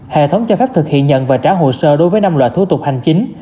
hệ thống cho phép thực hiện nhận và trả hồ sơ đối với năm loại thủ tục hành chính